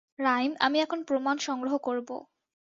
Rhyme, আমি এখন প্রমাণ সংগ্রহ করবো।